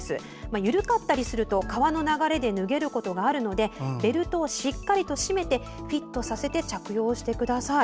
緩かったりすると川の流れで脱げることがあるのでベルトをしっかりと締めてフィットさせて着用してください。